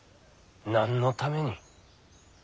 何のために？